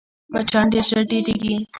مچان ډېر ژر ډېرېږي